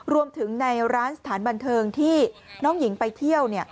รวมถึงในร้านสถานบันเทิงที่น้องหญิงไปเที่ยว